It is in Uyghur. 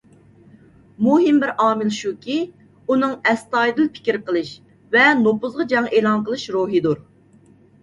مۇھىم بىر ئامىل شۇكى، ئۇنىڭ ئەستايىدىل پىكىر قىلىش ۋە نوپۇزغا جەڭ ئېلان قىلىش روھىدۇر.